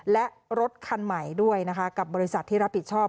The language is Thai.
และรถคันใหม่ด้วยนะคะกับบริษัทที่รับผิดชอบ